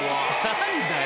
何だよ